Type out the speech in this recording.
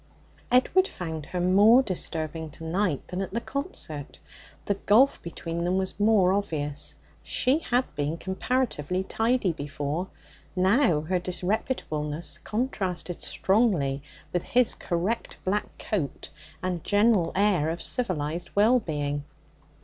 Edward found her more disturbing to night than at the concert; the gulf between them was more obvious; she had been comparatively tidy before. Now her disreputableness contrasted strongly with his correct black coat and general air of civilized well being.